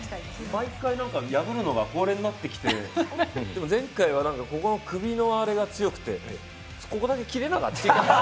毎回、破るのが恒例になってきて、前回は首のあれが強くて、ここだけ切れなかった。